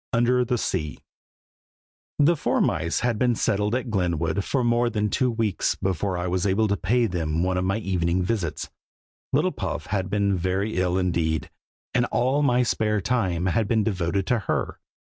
UNDER THE SEA. THE four mice had been settled at Glenwood for more than two weeks before I was able to pay them one of my evening visits. Little Puff had been very ill indeed, and all my spare time had been devoted to her.